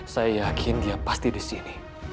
saya yakin dia pasti di sini